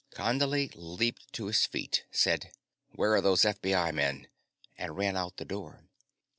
Condley leaped to his feet, said: "Where are those FBI men?" and ran out the door.